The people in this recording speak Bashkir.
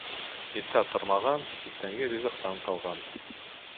Иртә тормаған иртәнге ризыҡтан ҡалған.